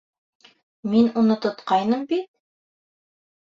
«Мин уны тотҡайным бит?»